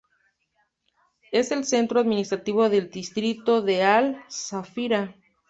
Es el centro administrativo del distrito de Al-Safira.